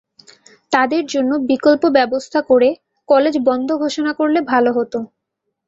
তাঁদের জন্য বিকল্প ব্যবস্থা করে কলেজ বন্ধ ঘোষণা করলে ভালো হতো।